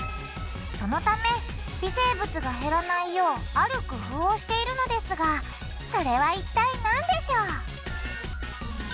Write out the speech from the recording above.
そのため微生物が減らないようある工夫をしているのですがそれは一体なんでしょう？